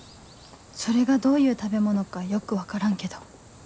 それがどういう食べ物かよく分からんけど